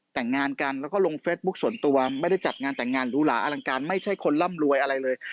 แต่งงานแต่งงานรุหาอลังการไม่ใช่คนร่ำรวยอะไรเลย